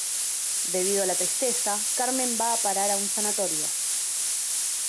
Debido a la tristeza Carmen va a parar a un sanatorio.